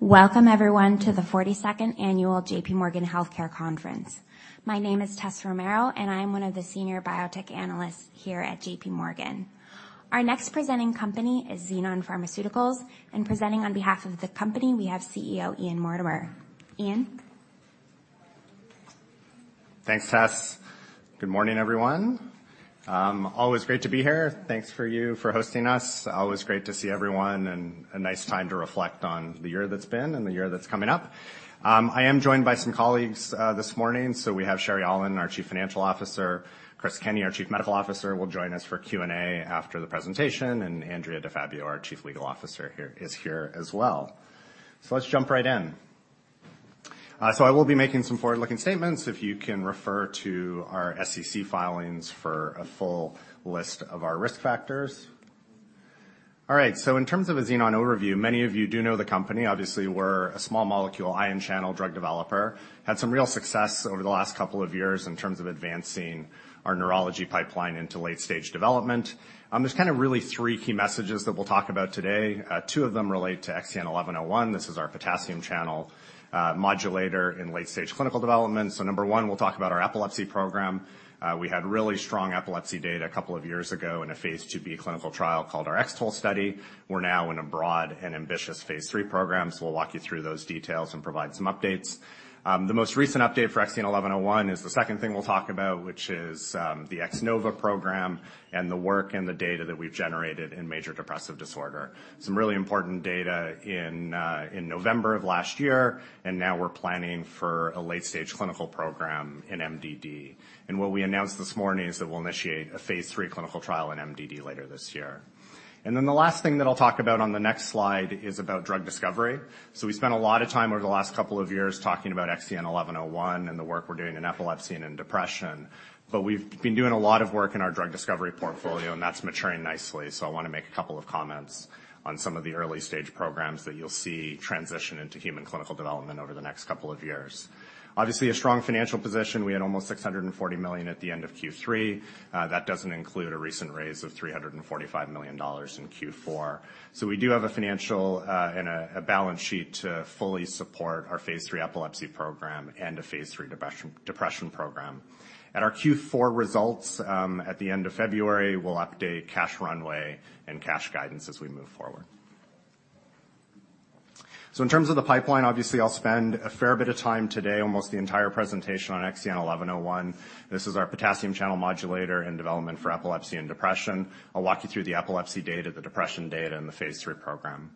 Welcome everyone to the 42nd annual J.P. Morgan Healthcare Conference. My name is Tessa Romero, and I'm one of the senior biotech analysts here at JPMorgan. Our next presenting company is Xenon Pharmaceuticals, and presenting on behalf of the company, we have CEO Ian Mortimer. Ian? Thanks, Tess. Good morning, everyone. Always great to be here. Thanks to you for hosting us. Always great to see everyone and a nice time to reflect on the year that's been and the year that's coming up. I am joined by some colleagues, this morning. So we have Sherry Aulin, our Chief Financial Officer, Chris Kenney, our Chief Medical Officer, will join us for Q&A after the presentation, and Andrea DiFabio, our Chief Legal Officer, is here as well. So let's jump right in. So I will be making some forward-looking statements. If you can refer to our SEC filings for a full list of our risk factors. All right, so in terms of a Xenon overview, many of you do know the company. Obviously, we're a small molecule ion channel drug developer. Had some real success over the last couple of years in terms of advancing our neurology pipeline into late-stage development. There's kind of really 3 key messages that we'll talk about today. Two of them relate to XEN1101. This is our potassium channel modulator in late-stage clinical development. So number 1, we'll talk about our epilepsy program. We had really strong epilepsy data a couple of years ago in a phase 2b clinical trial called our X-TOLE study. We're now in a broad and ambitious phase 3 program, so we'll walk you through those details and provide some updates. The most recent update for XEN1101 is the second thing we'll talk about, which is the X-NOVA program and the work and the data that we've generated in major depressive disorder. Some really important data in November of last year, and now we're planning for a late-stage clinical program in MDD. What we announced this morning is that we'll initiate a phase III clinical trial in MDD later this year. The last thing that I'll talk about on the next slide is about drug discovery. We spent a lot of time over the last couple of years talking about XEN1101 and the work we're doing in epilepsy and in depression. But we've been doing a lot of work in our drug discovery portfolio, and that's maturing nicely. I wanna make a couple of comments on some of the early stage programs that you'll see transition into human clinical development over the next couple of years. Obviously, a strong financial position. We had almost $640 million at the end of Q3. That doesn't include a recent raise of $345 million in Q4. So we do have a financial and a balance sheet to fully support our phase III epilepsy program and a phase III depression program. At our Q4 results, at the end of February, we'll update cash runway and cash guidance as we move forward. So in terms of the pipeline, obviously, I'll spend a fair bit of time today, almost the entire presentation on XEN1101. This is our potassium channel modulator in development for epilepsy and depression. I'll walk you through the epilepsy data, the depression data, and the phase III program.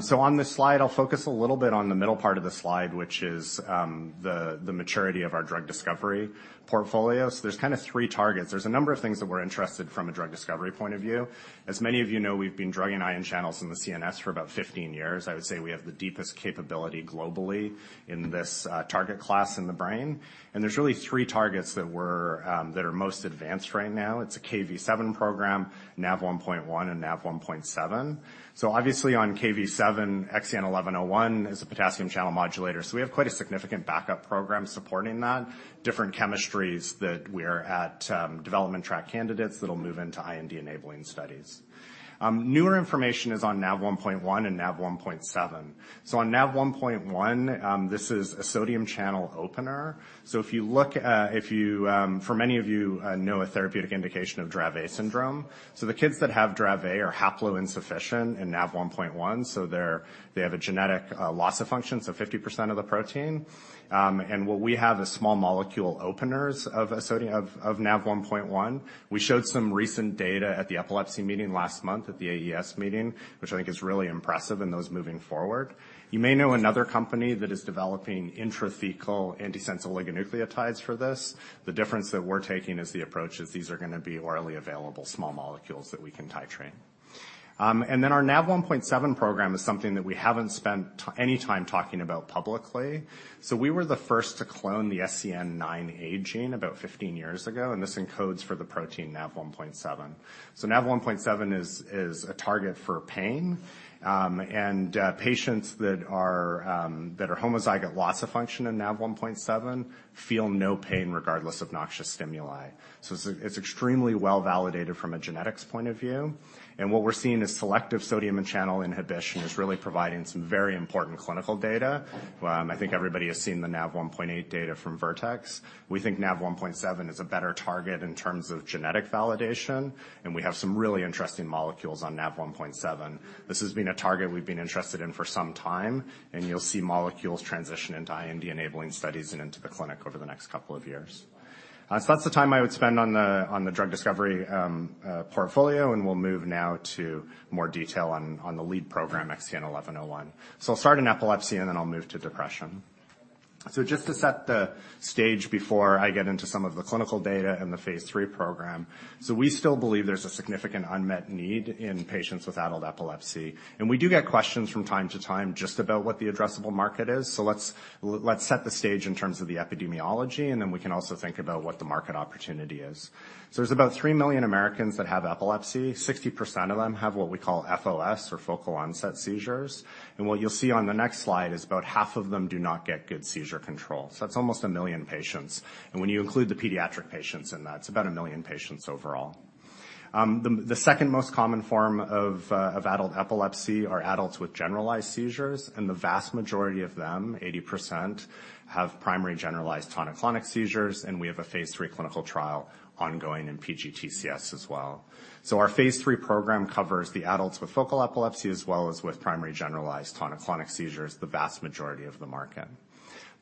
So on this slide, I'll focus a little bit on the middle part of the slide, which is the maturity of our drug discovery portfolio. So there's kind of three targets. There's a number of things that we're interested from a drug discovery point of view. As many of you know, we've been drugging ion channels in the CNS for about 15 years. I would say we have the deepest capability globally in this target class in the brain, and there's really three targets that we're that are most advanced right now. It's a Kv7 program, Nav1.1, and Nav1.7. So obviously on Kv7, XEN1101 is a potassium channel modulator, so we have quite a significant backup program supporting that. Different chemistries that we're at development track candidates that'll move into IND-enabling studies. Newer information is on Nav1.1 and Nav1.7. So on Nav1.1, this is a sodium channel opener. So if you look at... If you, for many of you, know a therapeutic indication of Dravet syndrome. So the kids that have Dravet are haploinsufficient in Nav1.1, so they have a genetic, loss of function, so 50% of the protein. And what we have is small molecule openers of a sodium... of Nav1.1. We showed some recent data at the epilepsy meeting last month, at the AES meeting, which I think is really impressive and those moving forward. You may know another company that is developing intrathecal antisense oligonucleotides for this. The difference that we're taking is the approach is these are gonna be orally available, small molecules that we can titrate. And then our Nav1.7 program is something that we haven't spent any time talking about publicly. So we were the first to clone the SCN9A gene about 15 years ago, and this encodes for the protein Nav1.7. So Nav1.7 is a target for pain, and patients that are homozygous for loss of function in Nav1.7 feel no pain, regardless of noxious stimuli. So it's extremely well-validated from a genetics point of view, and what we're seeing is selective sodium channel inhibition is really providing some very important clinical data. I think everybody has seen the NaV1.8 data from Vertex. We think Nav1.7 is a better target in terms of genetic validation, and we have some really interesting molecules on Nav1.7. This has been a target we've been interested in for some time, and you'll see molecules transition into IND-enabling studies and into the clinic over the next couple of years. So that's the time I would spend on the, on the drug discovery portfolio, and we'll move now to more detail on, on the lead program, XEN1101. So I'll start in epilepsy, and then I'll move to depression. So just to set the stage before I get into some of the clinical data and the phase 3 program. So we still believe there's a significant unmet need in patients with adult epilepsy, and we do get questions from time to time just about what the addressable market is. So let's set the stage in terms of the epidemiology, and then we can also think about what the market opportunity is. So there's about 3 million Americans that have epilepsy. 60% of them have what we call FOS, or Focal Onset Seizures. And what you'll see on the next slide is about half of them do not get good seizure control. So that's almost 1 million patients, and when you include the pediatric patients in that, it's about 1 million patients overall. The second most common form of adult epilepsy are adults with generalized seizures, and the vast majority of them, 80%, have primary generalized tonic-clonic seizures, and we have a phase 3 clinical trial ongoing in PGTCS as well. Our phase 3 program covers the adults with focal epilepsy as well as with primary generalized tonic-clonic seizures, the vast majority of the market.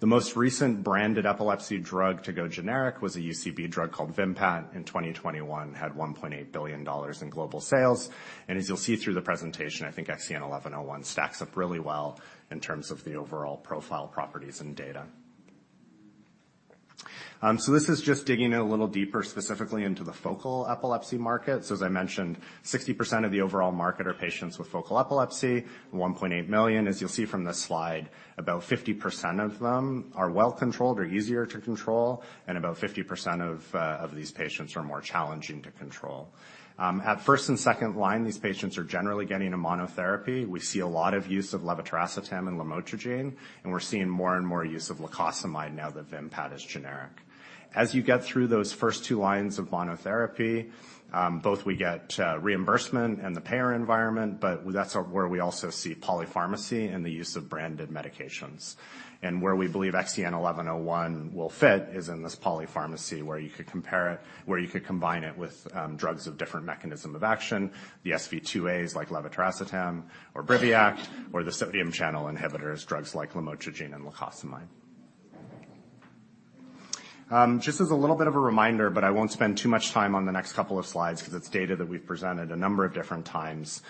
The most recent branded epilepsy drug to go generic was a UCB drug called Vimpat in 2021. It had $1.8 billion in global sales. As you'll see through the presentation, I think XEN1101 stacks up really well in terms of the overall profile, properties, and data. This is just digging a little deeper, specifically into the focal epilepsy markets. As I mentioned, 60% of the overall market are patients with focal epilepsy, 1.8 million. As you'll see from this slide, about 50% of them are well-controlled or easier to control, and about 50% of these patients are more challenging to control. At first and second line, these patients are generally getting a monotherapy. We see a lot of use of levetiracetam and lamotrigine, and we're seeing more and more use of lacosamide now that Vimpat is generic. As you get through those first two lines of monotherapy, both we get reimbursement and the payer environment, but that's where we also see polypharmacy and the use of branded medications. And where we believe XEN1101 will fit is in this polypharmacy, where you could compare it... where you could combine it with, drugs of different mechanism of action, the SV2As, like levetiracetam or Briviact, or the sodium channel inhibitors, drugs like lamotrigine and lacosamide. Just as a little bit of a reminder, but I won't spend too much time on the next couple of slides because it's data that we've presented a number of different times.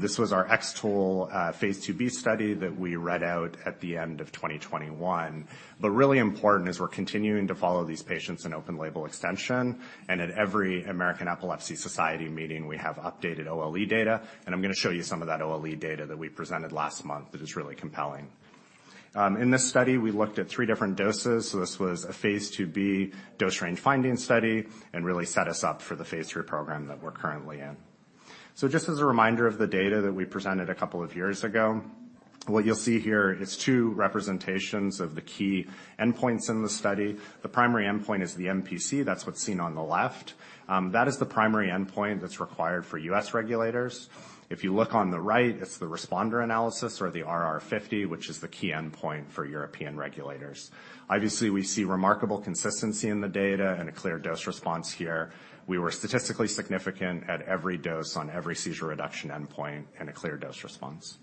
This was our X-TOLE phase 2b study that we read out at the end of 2021. But really important is we're continuing to follow these patients in open label extension, and at every American Epilepsy Society meeting, we have updated OLE data, and I'm going to show you some of that OLE data that we presented last month that is really compelling. In this study, we looked at three different doses. So this was a Phase 2b dose range finding study and really set us up for the Phase 3 program that we're currently in. So just as a reminder of the data that we presented a couple of years ago, what you'll see here is two representations of the key endpoints in the study. The primary endpoint is the MPC. That's what's seen on the left. That is the primary endpoint that's required for U.S. regulators. If you look on the right, it's the responder analysis or the RR 50, which is the key endpoint for European regulators. Obviously, we see remarkable consistency in the data and a clear dose response here. We were statistically significant at every dose on every seizure reduction endpoint and a clear dose response.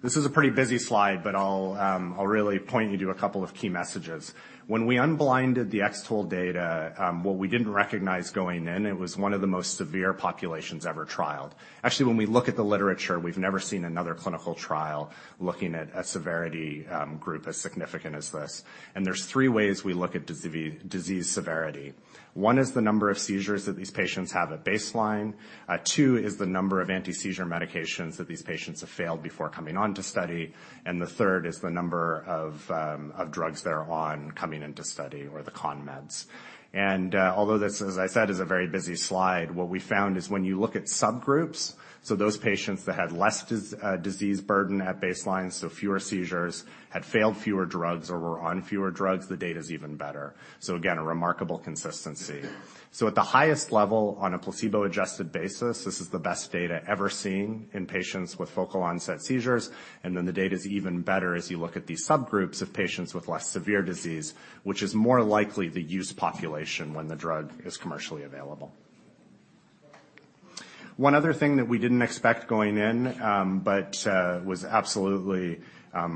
This is a pretty busy slide, but I'll, I'll really point you to a couple of key messages. When we unblinded the X-TOLE data, what we didn't recognize going in, it was one of the most severe populations ever trialed. Actually, when we look at the literature, we've never seen another clinical trial looking at a severity group as significant as this. And there's three ways we look at disease severity. One is the number of seizures that these patients have at baseline. Two is the number of anti-seizure medications that these patients have failed before coming on to study. And the third is the number of drugs they're on coming into study or the con meds. Although this, as I said, is a very busy slide, what we found is when you look at subgroups, so those patients that had less disease burden at baseline, so fewer seizures, had failed fewer drugs or were on fewer drugs, the data is even better. Again, a remarkable consistency. At the highest level, on a placebo-adjusted basis, this is the best data ever seen in patients with focal onset seizures, and then the data is even better as you look at these subgroups of patients with less severe disease, which is more likely the use population when the drug is commercially available. One other thing that we didn't expect going in, but was absolutely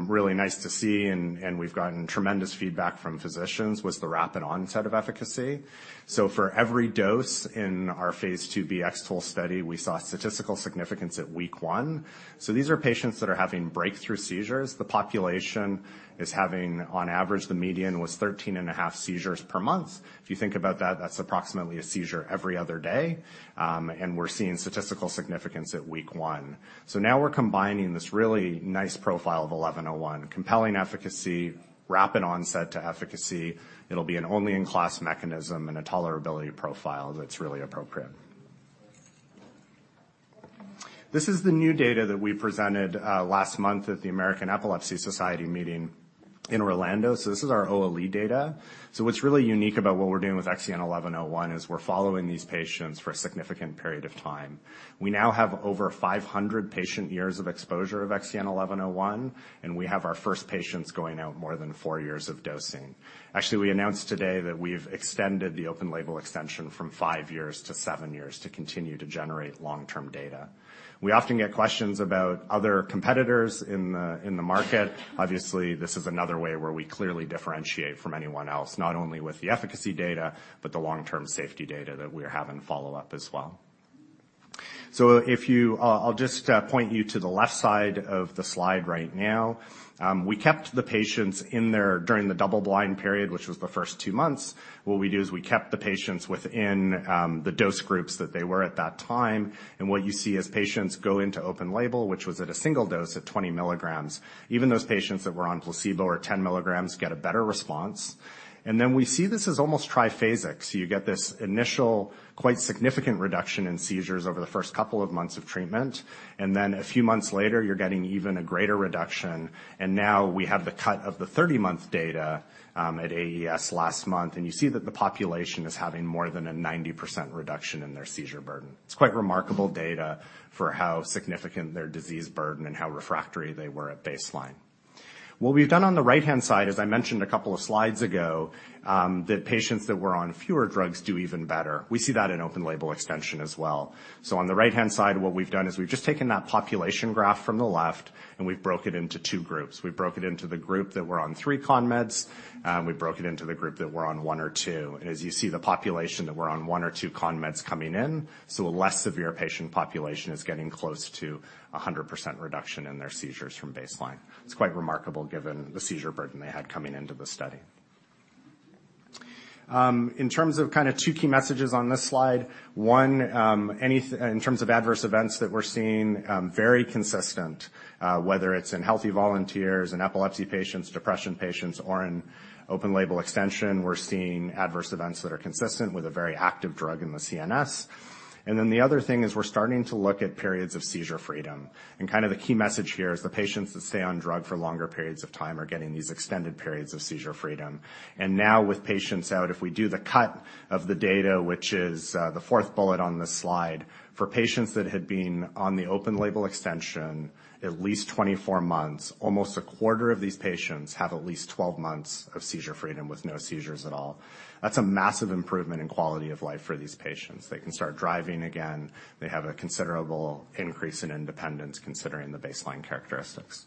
really nice to see, and we've gotten tremendous feedback from physicians, was the rapid onset of efficacy. So for every dose in our phase 2b X-TOLE study, we saw statistical significance at week one. So these are patients that are having breakthrough seizures. The population is having, on average, the median was 13.5 seizures per month. If you think about that, that's approximately a seizure every other day, and we're seeing statistical significance at week one. So now we're combining this really nice profile of XEN1101, compelling efficacy, rapid onset to efficacy. It'll be an only in-class mechanism and a tolerability profile that's really appropriate. This is the new data that we presented last month at the American Epilepsy Society meeting in Orlando. So this is our OLE data. So what's really unique about what we're doing with XEN1101 is we're following these patients for a significant period of time. We now have over 500 patient years of exposure of XEN1101, and we have our first patients going out more than 4 years of dosing. Actually, we announced today that we've extended the open label extension from 5 years to 7 years to continue to generate long-term data. We often get questions about other competitors in the market. Obviously, this is another way where we clearly differentiate from anyone else, not only with the efficacy data, but the long-term safety data that we are having follow up as well.... So, I'll just point you to the left side of the slide right now. We kept the patients in there during the double-blind period, which was the first 2 months. What we do is we kept the patients within the dose groups that they were at that time, and what you see is patients go into open label, which was at a single dose of 20 mg. Even those patients that were on placebo or 10 mg get a better response. And then we see this as almost triphasic. So you get this initial, quite significant reduction in seizures over the first couple of months of treatment, and then a few months later, you're getting even a greater reduction. And now we have the cut-off of the 30-month data at AES last month, and you see that the population is having more than a 90% reduction in their seizure burden. It's quite remarkable data for how significant their disease burden and how refractory they were at baseline. What we've done on the right-hand side, as I mentioned a couple of slides ago, that patients that were on fewer drugs do even better. We see that in open label extension as well. So on the right-hand side, what we've done is we've just taken that population graph from the left, and we've broke it into two groups. We've broke it into the group that were on three con meds, and we've broke it into the group that were on one or two. And as you see, the population that were on one or two con meds coming in, so a less severe patient population is getting close to a 100% reduction in their seizures from baseline. It's quite remarkable given the seizure burden they had coming into the study. In terms of kind of two key messages on this slide, one, in terms of adverse events that we're seeing, very consistent, whether it's in healthy volunteers and epilepsy patients, depression patients, or in open label extension, we're seeing adverse events that are consistent with a very active drug in the CNS. And then the other thing is we're starting to look at periods of seizure freedom. And kind of the key message here is the patients that stay on drug for longer periods of time are getting these extended periods of seizure freedom. Now with patients out, if we do the cut of the data, which is the fourth bullet on this slide, for patients that had been on the open label extension at least 24 months, almost a quarter of these patients have at least 12 months of seizure freedom with no seizures at all. That's a massive improvement in quality of life for these patients. They can start driving again. They have a considerable increase in independence, considering the baseline characteristics.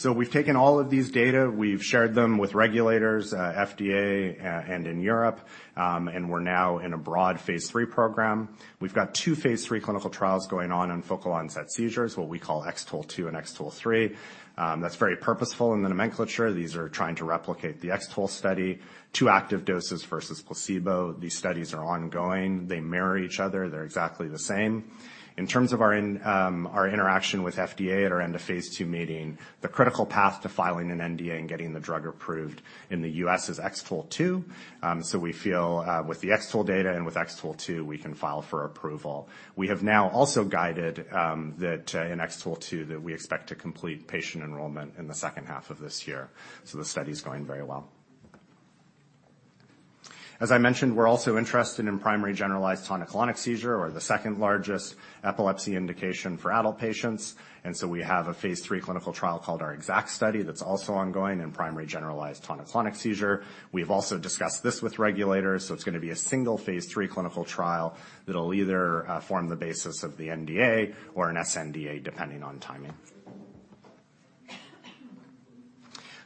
So we've taken all of these data. We've shared them with regulators, FDA, and in Europe, and we're now in a broad phase 3 program. We've got two phase 3 clinical trials going on in focal onset seizures, what we call X-TOLE2 and X-TOLE3. That's very purposeful in the nomenclature. These are trying to replicate the X-TOLE study, two active doses versus placebo. These studies are ongoing. They mirror each other. They're exactly the same. In terms of our interaction with FDA at our end-of-phase 2 meeting, the critical path to filing an NDA and getting the drug approved in the U.S. is X-TOLE2. So we feel with the X-TOLE data and with X-TOLE2, we can file for approval. We have now also guided that in X-TOLE2, that we expect to complete patient enrollment in the second half of this year. So the study's going very well. As I mentioned, we're also interested in primary generalized tonic-clonic seizure or the second-largest epilepsy indication for adult patients. And so we have a phase 3 clinical trial called our X-ACKT study, that's also ongoing in primary generalized tonic-clonic seizure. We've also discussed this with regulators, so it's going to be a single phase 3 clinical trial that'll either form the basis of the NDA or an sNDA, depending on timing.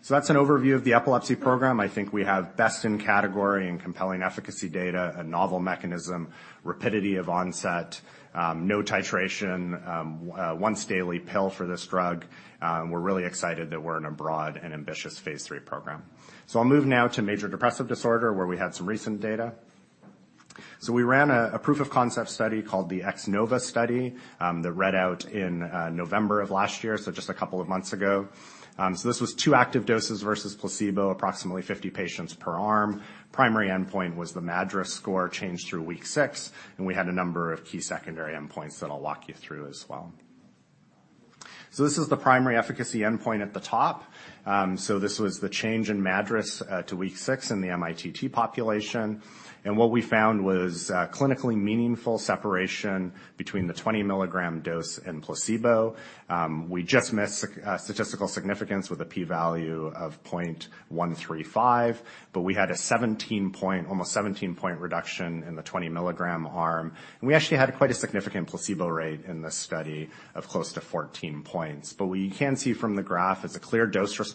So that's an overview of the epilepsy program. I think we have best in category and compelling efficacy data, a novel mechanism, rapidity of onset, no titration, once daily pill for this drug. We're really excited that we're in a broad and ambitious phase 3 program. So I'll move now to major depressive disorder, where we had some recent data. So we ran a proof of concept study called the X-NOVA study that read out in November of last year, so just a couple of months ago. So this was two active doses versus placebo, approximately 50 patients per arm. Primary endpoint was the MADRS score changed through week 6, and we had a number of key secondary endpoints that I'll walk you through as well. So this is the primary efficacy endpoint at the top. So this was the change in MADRS to week 6 in the mITT population. And what we found was a clinically meaningful separation between the 20 milligram dose and placebo. We just missed statistical significance with a p-value of 0.135, but we had a 17-point, almost 17-point reduction in the 20 milligram arm. And we actually had quite a significant placebo rate in this study of close to 14 points. But what you can see from the graph is a clear dose response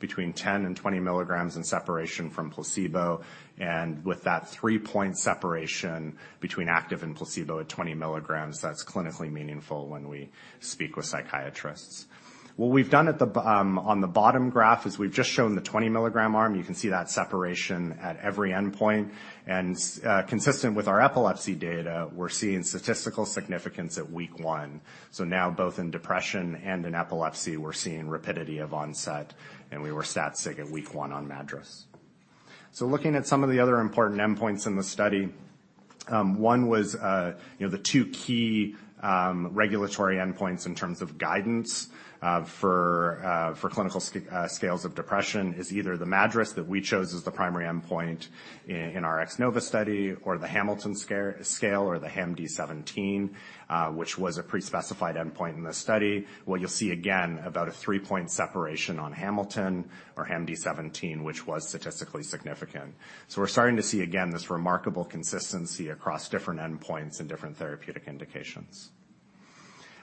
between 10 and 20 mg in separation from placebo, and with that 3-point separation between active and placebo at 20 mg, that's clinically meaningful when we speak with psychiatrists. What we've done at the bottom graph is we've just shown the 20 milligram arm. You can see that separation at every endpoint. Consistent with our epilepsy data, we're seeing statistical significance at week 1. So now, both in depression and in epilepsy, we're seeing rapidity of onset, and we were stat sig at week 1 on MADRS. So looking at some of the other important endpoints in the study, one was, you know, the 2 key regulatory endpoints in terms of guidance, for clinical scales of depression is either the MADRS that we chose as the primary endpoint in our X-NOVA study or the Hamilton scale or the HAMD-17, which was a pre-specified endpoint in the study. What you'll see again, about a 3-point separation on Hamilton or HAMD-17, which was statistically significant. So we're starting to see, again, this remarkable consistency across different endpoints and different therapeutic indications....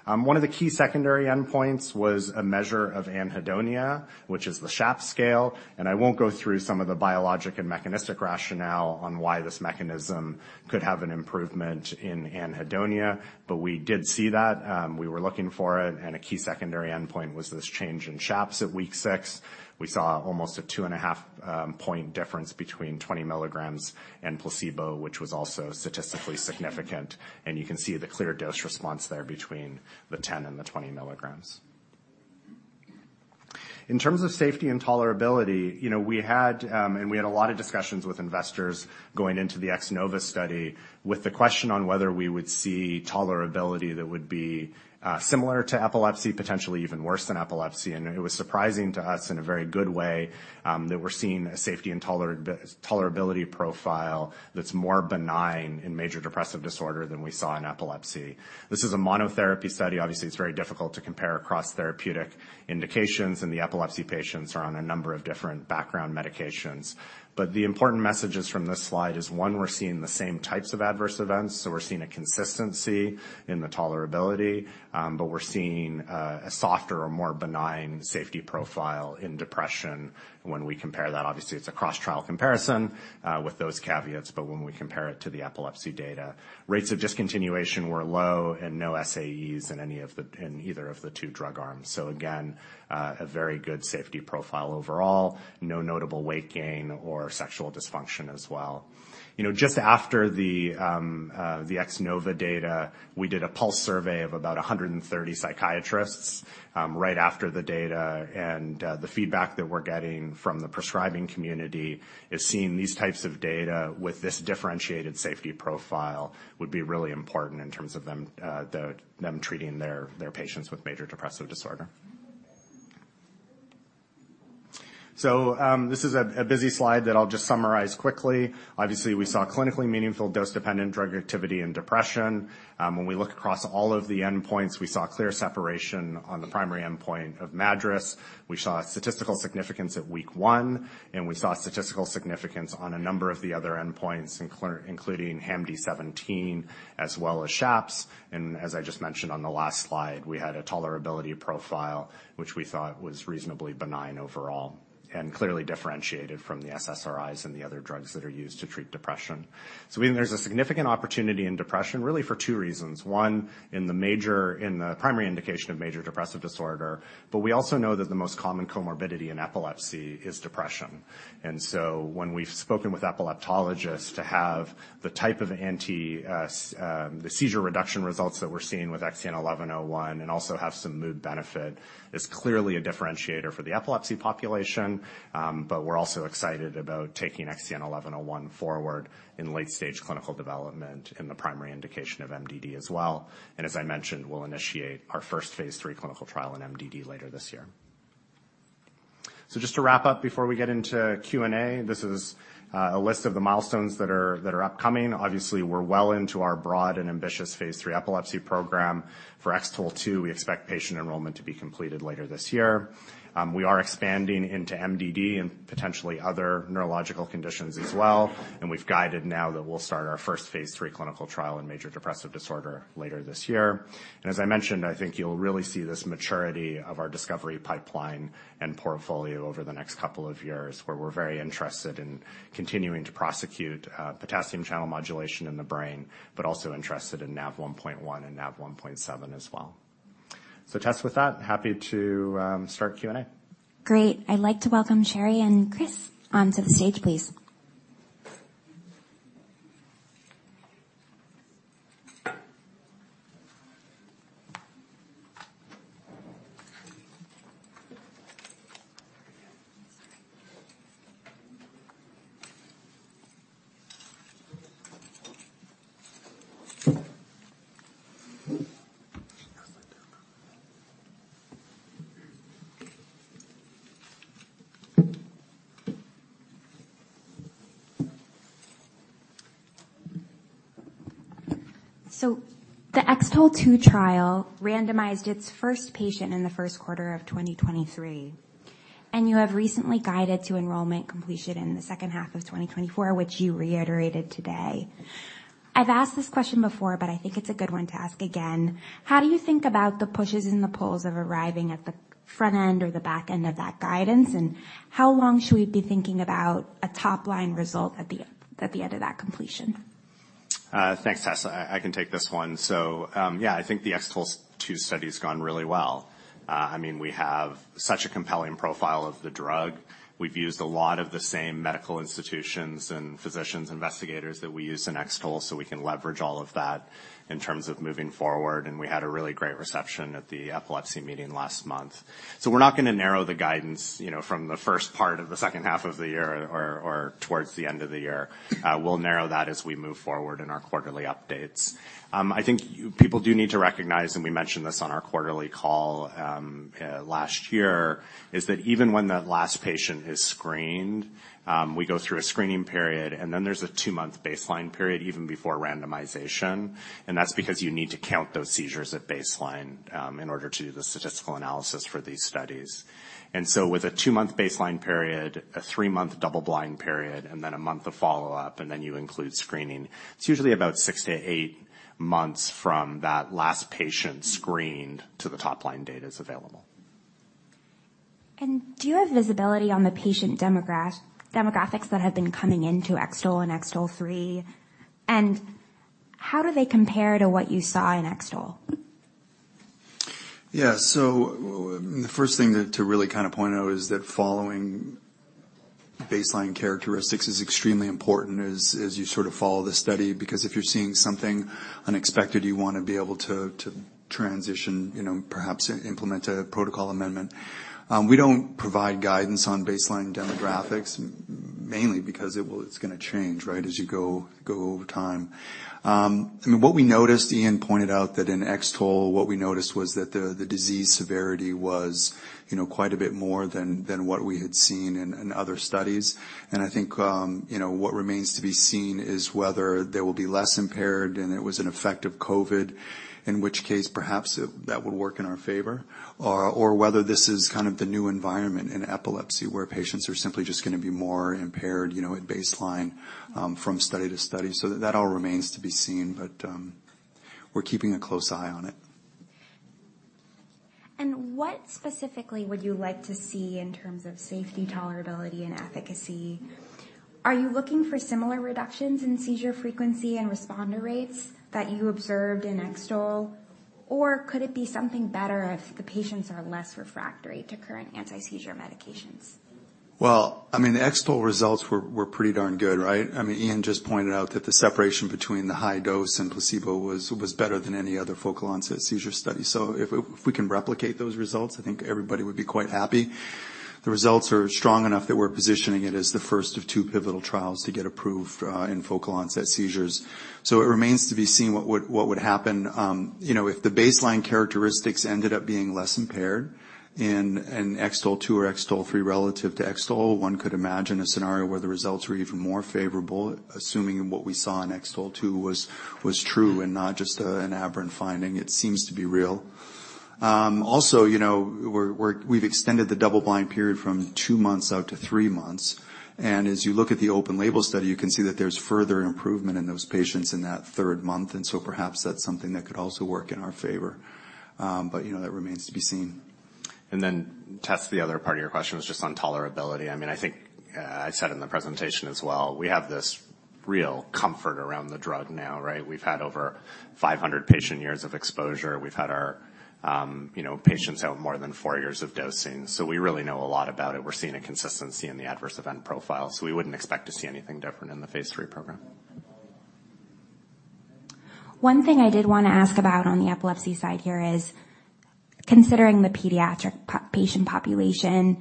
One of the key secondary endpoints was a measure of anhedonia, which is the SHAPS scale, and I won't go through some of the biologic and mechanistic rationale on why this mechanism could have an improvement in anhedonia, but we did see that, we were looking for it, and a key secondary endpoint was this change in SHAPS at week 6. We saw almost a 2.5 point difference between 20 mg and placebo, which was also statistically significant, and you can see the clear dose response there between the 10 and the 20 mg. In terms of safety and tolerability, you know, we had, and we had a lot of discussions with investors going into the X-NOVA study with the question on whether we would see tolerability that would be, similar to epilepsy, potentially even worse than epilepsy. It was surprising to us in a very good way, that we're seeing a safety and tolerability profile that's more benign in major depressive disorder than we saw in epilepsy. This is a monotherapy study. Obviously, it's very difficult to compare across therapeutic indications, and the epilepsy patients are on a number of different background medications. The important messages from this slide is, one, we're seeing the same types of adverse events, so we're seeing a consistency in the tolerability, but we're seeing a softer or more benign safety profile in depression when we compare that. Obviously, it's a cross-trial comparison with those caveats, but when we compare it to the epilepsy data, rates of discontinuation were low and no SAEs in any of the—in either of the two drug arms. So again, a very good safety profile overall, no notable weight gain or sexual dysfunction as well. You know, just after the X-NOVA data, we did a pulse survey of about 130 psychiatrists, right after the data, and the feedback that we're getting from the prescribing community is seeing these types of data with this differentiated safety profile would be really important in terms of them treating their patients with major depressive disorder. So, this is a busy slide that I'll just summarize quickly. Obviously, we saw clinically meaningful dose-dependent drug activity in depression. When we look across all of the endpoints, we saw clear separation on the primary endpoint of MADRS. We saw statistical significance at week 1, and we saw statistical significance on a number of the other endpoints, including HAMD-17 as well as SHAPS. As I just mentioned on the last slide, we had a tolerability profile, which we thought was reasonably benign overall and clearly differentiated from the SSRIs and the other drugs that are used to treat depression. We think there's a significant opportunity in depression, really for two reasons: one, in the primary indication of major depressive disorder, but we also know that the most common comorbidity in epilepsy is depression. And so when we've spoken with epileptologists to have the type of anti-seizure reduction results that we're seeing with XEN1101 and also have some mood benefit, is clearly a differentiator for the epilepsy population. But we're also excited about taking XEN1101 forward in late-stage clinical development in the primary indication of MDD as well. And as I mentioned, we'll initiate our first Phase 3 clinical trial in MDD later this year. So just to wrap up before we get into Q&A, this is a list of the milestones that are upcoming. Obviously, we're well into our broad and ambitious Phase 3 epilepsy program. For X-TOLE2, we expect patient enrollment to be completed later this year. We are expanding into MDD and potentially other neurological conditions as well, and we've guided now that we'll start our first Phase 3 clinical trial in major depressive disorder later this year. As I mentioned, I think you'll really see this maturity of our discovery pipeline and portfolio over the next couple of years, where we're very interested in continuing to prosecute potassium channel modulation in the brain, but also interested in Nav1.1 and Nav1.7 as well. Tess, with that, happy to start Q&A. Great. I'd like to welcome Sherry and Chris onto the stage, please. So the X-TOLE2 trial randomized its first patient in the first quarter of 2023, and you have recently guided to enrollment completion in the second half of 2024, which you reiterated today. I've asked this question before, but I think it's a good one to ask again: How do you think about the pushes and the pulls of arriving at the front end or the back end of that guidance? And how long should we be thinking about a top-line result at the end of that completion? Thanks, Tess. I can take this one. So, yeah, I think the X-TOLE2 study's gone really well. I mean, we have such a compelling profile of the drug. We've used a lot of the same medical institutions and physicians, investigators that we use in X-TOLE, so we can leverage all of that in terms of moving forward, and we had a really great reception at the epilepsy meeting last month. So we're not going to narrow the guidance, you know, from the first part of the second half of the year or towards the end of the year. We'll narrow that as we move forward in our quarterly updates. I think people do need to recognize, and we mentioned this on our quarterly call last year, is that even when that last patient is screened, we go through a screening period, and then there's a 2-month baseline period, even before randomization, and that's because you need to count those seizures at baseline, in order to do the statistical analysis for these studies. And so with a 2-month baseline period, a 3-month double-blind period, and then a month of follow-up, and then you include screening, it's usually about 6-8 months from that last patient screened to the top-line data's available.... And do you have visibility on the patient demographics that have been coming into X-TOLE and X-TOLE3? And how do they compare to what you saw in X-TOLE? Yeah. So the first thing to really kind of point out is that following baseline characteristics is extremely important as you sort of follow the study, because if you're seeing something unexpected, you want to be able to transition, you know, perhaps implement a protocol amendment. We don't provide guidance on baseline demographics, mainly because it will—it's going to change, right, as you go over time. I mean, what we noticed, Ian pointed out that in X-TOLE, what we noticed was that the disease severity was, you know, quite a bit more than what we had seen in other studies. I think, you know, what remains to be seen is whether they will be less impaired, and it was an effect of COVID, in which case, perhaps it, that would work in our favor, or, or whether this is kind of the new environment in epilepsy, where patients are simply just going to be more impaired, you know, at baseline, from study to study. So that all remains to be seen, but, we're keeping a close eye on it. What specifically would you like to see in terms of safety, tolerability, and efficacy? Are you looking for similar reductions in seizure frequency and responder rates that you observed in X-TOLE? Or could it be something better if the patients are less refractory to current anti-seizure medications? Well, I mean, the X-TOLE results were pretty darn good, right? I mean, Ian just pointed out that the separation between the high dose and placebo was better than any other focal onset seizure study. So if we can replicate those results, I think everybody would be quite happy. The results are strong enough that we're positioning it as the first of two pivotal trials to get approved in focal onset seizures. So it remains to be seen what would happen. You know, if the baseline characteristics ended up being less impaired in X-TOLE2 or X-TOLE3 relative to X-TOLE, one could imagine a scenario where the results were even more favorable, assuming what we saw in X-TOLE2 was true and not just an aberrant finding. It seems to be real. Also, you know, we've extended the double blind period from two months out to three months. As you look at the open label study, you can see that there's further improvement in those patients in that third month, and so perhaps that's something that could also work in our favor. But, you know, that remains to be seen. And then, Tess, the other part of your question was just on tolerability. I mean, I think, I said in the presentation as well, we have this real comfort around the drug now, right? We've had over 500 patient years of exposure. We've had our, you know, patients out more than 4 years of dosing, so we really know a lot about it. We're seeing a consistency in the adverse event profile, so we wouldn't expect to see anything different in the phase 3 program. One thing I did want to ask about on the epilepsy side here is, considering the pediatric patient population,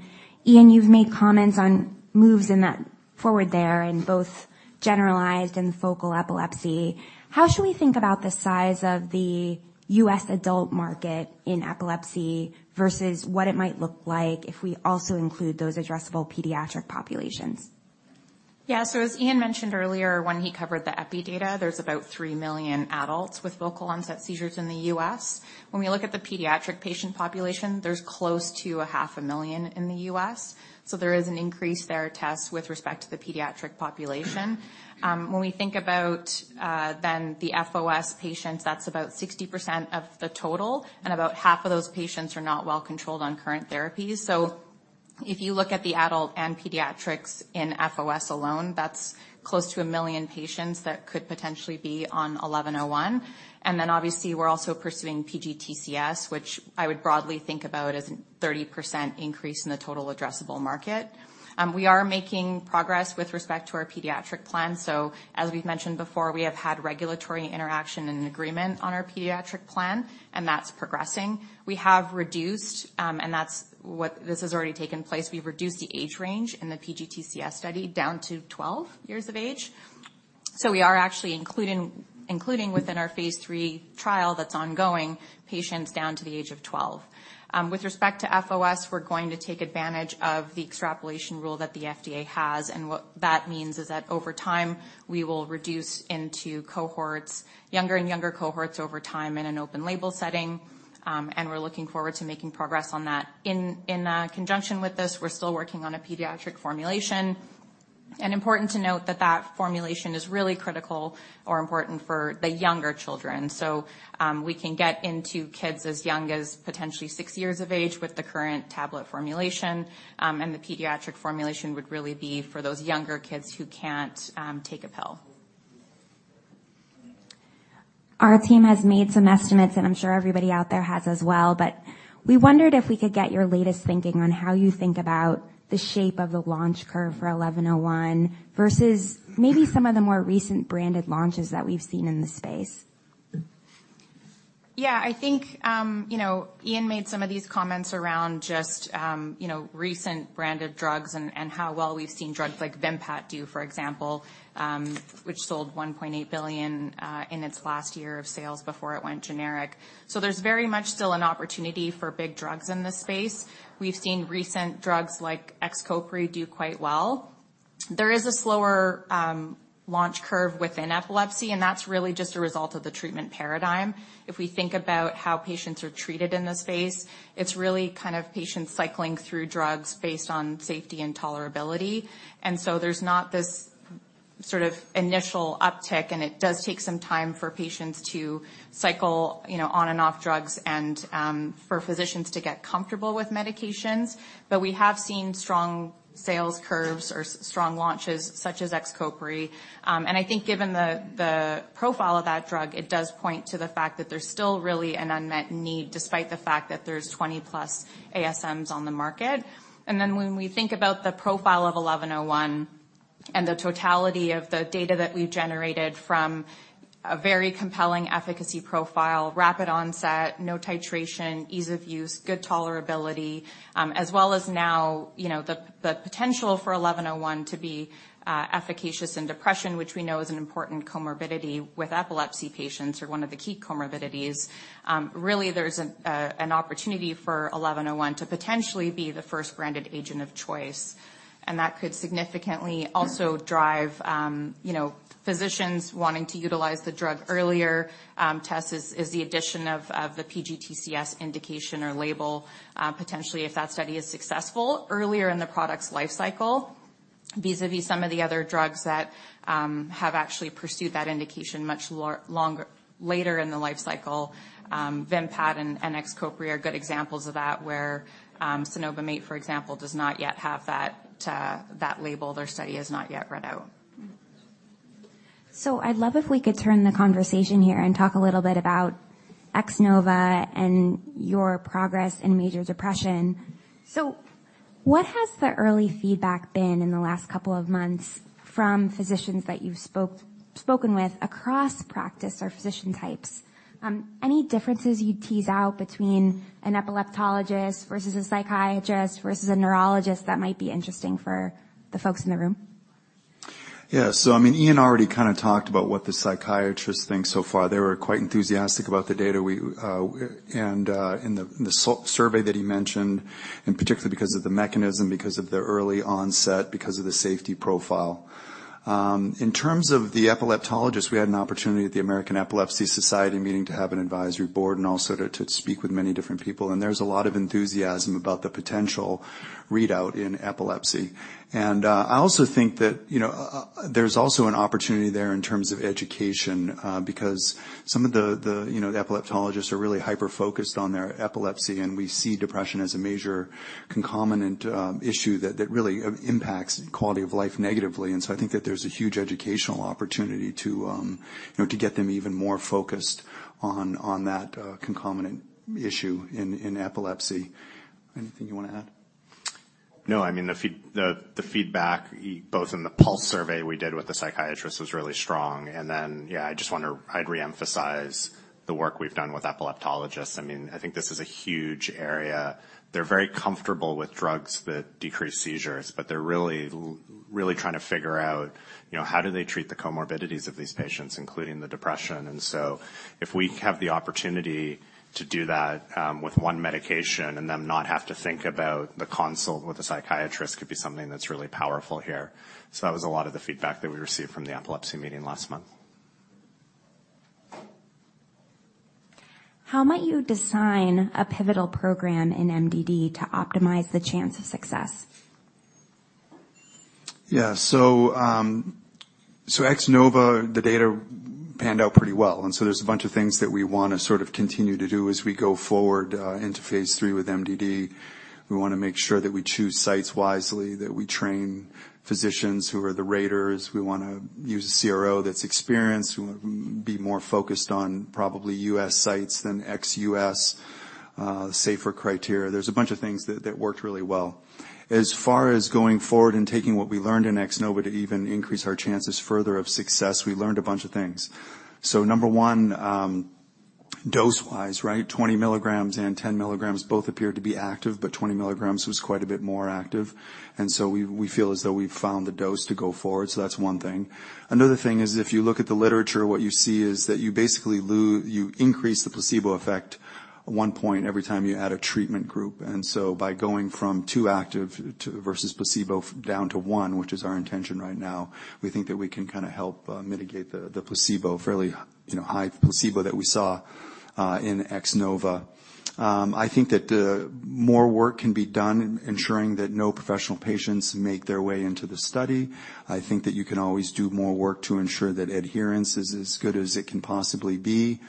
Ian, you've made comments on moves in that forward there in both generalized and focal epilepsy. How should we think about the size of the U.S. adult market in epilepsy versus what it might look like if we also include those addressable pediatric populations? Yeah. So as Ian mentioned earlier, when he covered the epi data, there's about 3 million adults with focal onset seizures in the U.S. When we look at the pediatric patient population, there's close to 500,000 in the U.S., so there is an increase there, Tess, with respect to the pediatric population. When we think about, then the FOS patients, that's about 60% of the total, and about half of those patients are not well controlled on current therapies. So if you look at the adult and pediatrics in FOS alone, that's close to 1 million patients that could potentially be on XEN1101. And then obviously, we're also pursuing PGTCS, which I would broadly think about as a 30% increase in the total addressable market. We are making progress with respect to our pediatric plan. So as we've mentioned before, we have had regulatory interaction and an agreement on our pediatric plan, and that's progressing. We have reduced. This has already taken place. We've reduced the age range in the PGTCS study down to 12 years of age. So we are actually including within our phase 3 trial that's ongoing, patients down to the age of 12. With respect to FOS, we're going to take advantage of the extrapolation rule that the FDA has, and what that means is that over time, we will reduce into cohorts, younger and younger cohorts over time in an open label setting, and we're looking forward to making progress on that. In conjunction with this, we're still working on a pediatric formulation. And important to note that that formulation is really critical or important for the younger children. So, we can get into kids as young as potentially six years of age with the current tablet formulation, and the pediatric formulation would really be for those younger kids who can't take a pill. Our team has made some estimates, and I'm sure everybody out there has as well, but we wondered if we could get your latest thinking on how you think about the shape of the launch curve for XEN1101 versus maybe some of the more recent branded launches that we've seen in this space. Yeah, I think you know, Ian made some of these comments around just you know, recent branded drugs and how well we've seen drugs like Vimpat do, for example, which sold $1.8 billion in its last year of sales before it went generic. So there's very much still an opportunity for big drugs in this space. We've seen recent drugs like XCOPRI do quite well. There is a slower launch curve within epilepsy, and that's really just a result of the treatment paradigm. If we think about how patients are treated in this space, it's really kind of patients cycling through drugs based on safety and tolerability. And so there's not this sort of initial uptick, and it does take some time for patients to cycle, you know, on and off drugs and for physicians to get comfortable with medications. But we have seen strong sales curves or strong launches such as XCOPRI. And I think given the profile of that drug, it does point to the fact that there's still really an unmet need, despite the fact that there's 20+ ASMs on the market. And then when we think about the profile of 1101 and the totality of the data that we've generated from a very compelling efficacy profile, rapid onset, no titration, ease of use, good tolerability, as well as now, you know, the potential for 1101 to be efficacious in depression, which we know is an important comorbidity with epilepsy patients, or one of the key comorbidities. Really, there's an opportunity for XEN1101 to potentially be the first branded agent of choice, and that could significantly also drive, you know, physicians wanting to utilize the drug earlier. That's the addition of the PGTCS indication or label, potentially if that study is successful earlier in the product's life cycle, vis-a-vis some of the other drugs that have actually pursued that indication much longer later in the life cycle. Vimpat and XCOPRI are good examples of that, where cenobamate, for example, does not yet have that label. Their study is not yet read out. So I'd love if we could turn the conversation here and talk a little bit about X-NOVA and your progress in major depression. So what has the early feedback been in the last couple of months from physicians that you've spoken with across practice or physician types? Any differences you'd tease out between an epileptologist versus a psychiatrist versus a neurologist that might be interesting for the folks in the room? Yeah. So I mean, Ian already kind of talked about what the psychiatrists think so far. They were quite enthusiastic about the data we and in the survey that he mentioned, and particularly because of the mechanism, because of the early onset, because of the safety profile. In terms of the epileptologist, we had an opportunity at the American Epilepsy Society meeting to have an advisory board and also to speak with many different people. And there's a lot of enthusiasm about the potential readout in epilepsy. And I also think that, you know, there's also an opportunity there in terms of education, because some of the you know the epileptologists are really hyper-focused on their epilepsy, and we see depression as a major concomitant issue that really impacts quality of life negatively. So I think that there's a huge educational opportunity to, you know, to get them even more focused on that concomitant issue in epilepsy. Anything you want to add? No, I mean, the feedback, both in the pulse survey we did with the psychiatrists, was really strong. And then, yeah, I just want to... I'd reemphasize the work we've done with epileptologists. I mean, I think this is a huge area. They're very comfortable with drugs that decrease seizures, but they're really, really trying to figure out, you know, how do they treat the comorbidities of these patients, including the depression? And so if we have the opportunity to do that, with one medication and then not have to think about the consult with a psychiatrist, could be something that's really powerful here. So that was a lot of the feedback that we received from the epilepsy meeting last month. How might you design a pivotal program in MDD to optimize the chance of success? Yeah. So, X-NOVA, the data panned out pretty well, and so there's a bunch of things that we want to sort of continue to do as we go forward into phase 3 with MDD. We want to make sure that we choose sites wisely, that we train physicians who are the raters. We want to use a CRO that's experienced. We want to be more focused on probably U.S. sites than ex-U.S., safer criteria. There's a bunch of things that worked really well. As far as going forward and taking what we learned in X-NOVA to even increase our chances further of success, we learned a bunch of things. So number 1, dose-wise, right? 20 mg and 10 mg both appeared to be active, but 20 mg was quite a bit more active, and so we feel as though we've found the dose to go forward. So that's one thing. Another thing is, if you look at the literature, what you see is that you basically increase the placebo effect 1 point every time you add a treatment group. And so by going from 2 active to versus placebo down to 1, which is our intention right now, we think that we can kind of help mitigate the placebo, fairly, you know, high placebo that we saw in X-NOVA. I think that more work can be done in ensuring that no professional patients make their way into the study. I think that you can always do more work to ensure that adherence is as good as it can possibly be.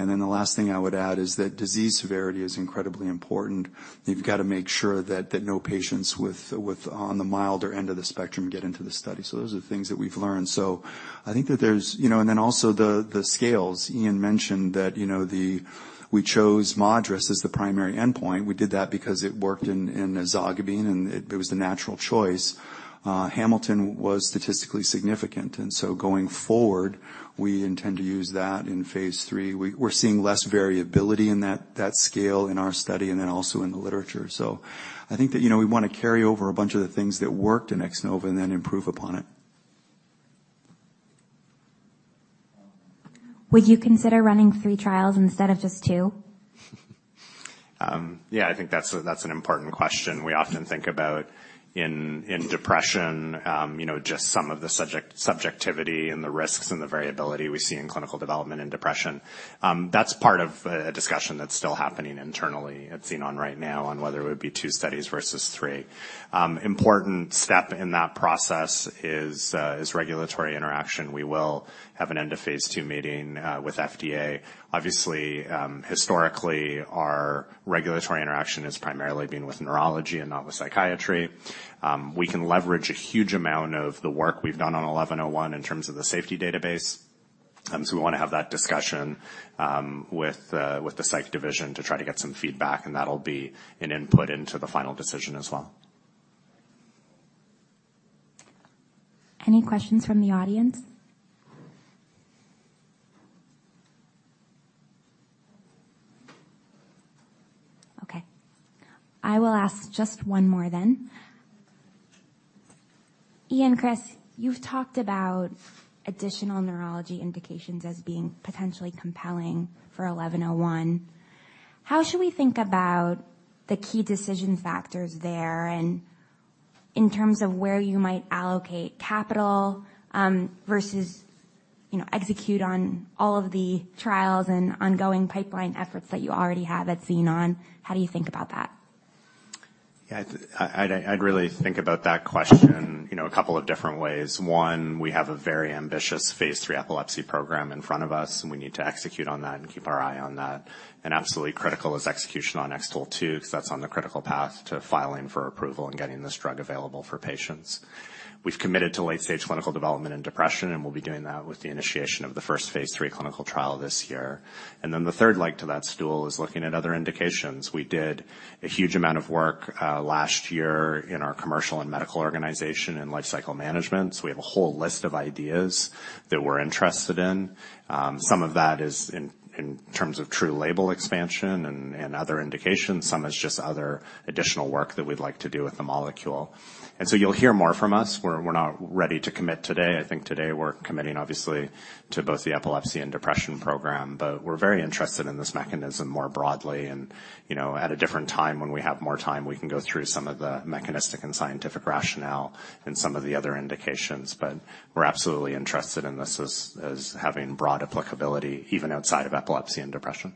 And then the last thing I would add is that disease severity is incredibly important. You've got to make sure that no patients with, on the milder end of the spectrum get into the study. So those are things that we've learned. So I think that there's... You know, and then also the scales. Ian mentioned that, you know, we chose MADRS as the primary endpoint. We did that because it worked in ezogabine, and it was the natural choice. Hamilton was statistically significant, and so going forward, we intend to use that in phase three. We're seeing less variability in that scale in our study and then also in the literature. I think that, you know, we want to carry over a bunch of the things that worked in X-NOVA and then improve upon it. Would you consider running three trials instead of just two? Yeah, I think that's, that's an important question we often think about in, in depression. You know, just some of the subjectivity and the risks and the variability we see in clinical development in depression. That's part of a discussion that's still happening internally at Xenon right now on whether it would be two studies versus three. Important step in that process is regulatory interaction. We will have an end of phase two meeting with FDA. Obviously, historically, our regulatory interaction has primarily been with neurology and not with psychiatry. We can leverage a huge amount of the work we've done on XEN1101 in terms of the safety database. So we want to have that discussion with the psych division to try to get some feedback, and that'll be an input into the final decision as well. Any questions from the audience? Okay, I will ask just one more then. Ian, Chris, you've talked about additional neurology indications as being potentially compelling for 1101. How should we think about the key decision factors there, and in terms of where you might allocate capital, versus, you know, execute on all of the trials and ongoing pipeline efforts that you already have at Xenon? How do you think about that? Yeah, I'd, I'd really think about that question, you know, a couple of different ways. One, we have a very ambitious phase 3 epilepsy program in front of us, and we need to execute on that and keep our eye on that. And absolutely critical is execution on X-TOLE2, 'cause that's on the critical path to filing for approval and getting this drug available for patients. We've committed to late-stage clinical development and depression, and we'll be doing that with the initiation of the first phase 3 clinical trial this year. And then the third leg to that stool is looking at other indications. We did a huge amount of work last year in our commercial and medical organization and lifecycle management, so we have a whole list of ideas that we're interested in. Some of that is in terms of true label expansion and other indications. Some is just other additional work that we'd like to do with the molecule. And so you'll hear more from us. We're not ready to commit today. I think today we're committing, obviously, to both the epilepsy and depression program, but we're very interested in this mechanism more broadly and, you know, at a different time, when we have more time, we can go through some of the mechanistic and scientific rationale and some of the other indications. But we're absolutely interested in this as having broad applicability, even outside of epilepsy and depression.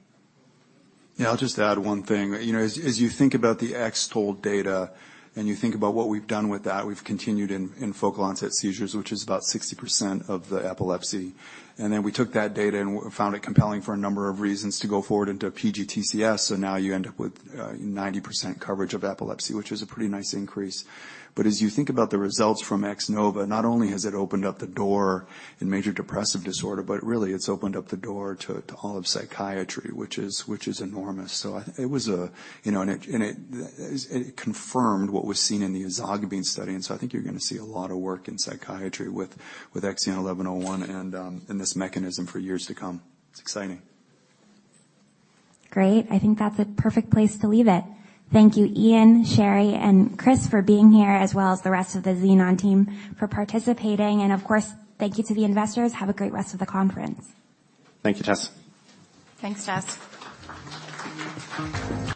Yeah, I'll just add one thing. You know, as you think about the X-TOLE data and you think about what we've done with that, we've continued in focal onset seizures, which is about 60% of the epilepsy. And then we took that data and found it compelling for a number of reasons to go forward into PGTCS, so now you end up with 90% coverage of epilepsy, which is a pretty nice increase. But as you think about the results from X-NOVA, not only has it opened up the door in major depressive disorder, but really, it's opened up the door to all of psychiatry, which is enormous. So I... It was, you know, and it confirmed what was seen in the ezogabine study, and so I think you're gonna see a lot of work in psychiatry with XEN1101 and this mechanism for years to come. It's exciting. Great! I think that's a perfect place to leave it. Thank you, Ian, Sherry, and Chris for being here, as well as the rest of the Xenon team for participating. And of course, thank you to the investors. Have a great rest of the conference. Thank you, Tess. Thanks, Tess.